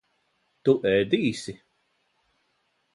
Tu ēdīsi?